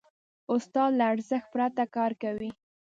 استاد له زړښت پرته کار کوي.